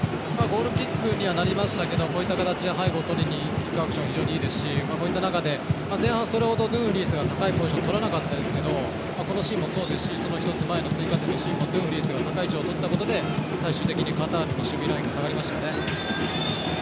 ゴールキックにはなりましたけどこういった形で背後をとりにいくと非常にいいですしこういった中で前半、それほどドゥンフリースが高い位置をとらなかったですけどこのシーンもそうですし一つ前のシーンもドゥンフリースが高い位置をとったことで最終的にカタールの守備ラインが下がりましたよね。